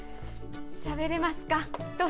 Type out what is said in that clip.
しゃべれますか？